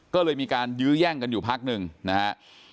ก็เลยมีการยื้อแย่งกันอยู่พักหนึ่งนะฮะ